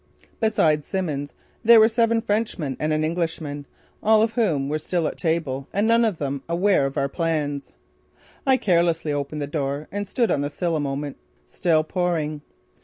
Besides Simmons, there were seven Frenchmen and an Englishman, all of whom were still at table and none of them aware of our plans. I carelessly opened the door and stood on the sill a moment. Still pouring.